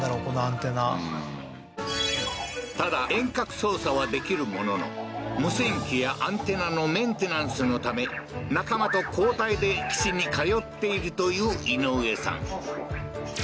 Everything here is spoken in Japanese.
このアンテナただ遠隔操作はできるものの無線機やアンテナのメンテナンスのため仲間と交代で基地に通っているという井上さん